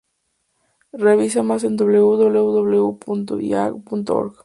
Revisar más en www.iadb.org, www.ongei.gob.pe.